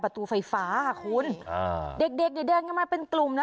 อ่ะประตูไฟฟ้าค่ะคุณอ่าเด็กเด็กเดินเข้ามาเป็นกลุ่มน่ะ